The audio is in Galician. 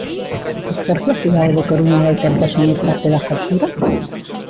Por que a cidade da Coruña vai ter que asumir parte da factura?